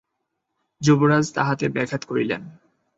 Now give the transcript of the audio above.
যুবরাজ তাহাতে ব্যাঘাত করিলেন।